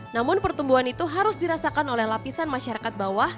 namun pertumbuhan itu harus dirasakan oleh lapisan masyarakat bawah